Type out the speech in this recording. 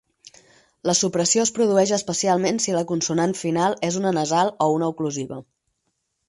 La supressió es produeix especialment si la consonant final és una nasal o una oclusiva.